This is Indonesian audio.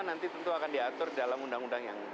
nanti tentu akan diatur dalam undang undang yang